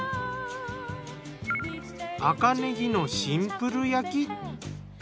赤ねぎのシンプル焼き。